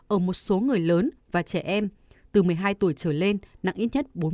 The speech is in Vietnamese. ở một số người lớn và trẻ em từ một mươi hai tuổi trở lên nặng ít nhất bốn mươi